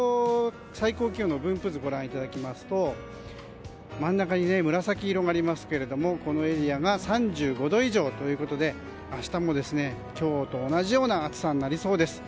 最高気温の分布図をご覧いただきますと真ん中に紫色がありますがこのエリアが３５度以上ということで明日も今日と同じような暑さになりそうです。